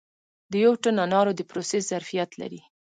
د یو ټن انارو د پروسس ظرفیت لري